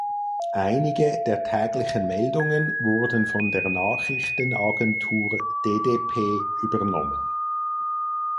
Einige der täglichen Meldungen wurden von der Nachrichtenagentur ddp übernommen.